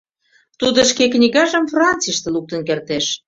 Тудо шке книгажым Францийыште луктын кертеш.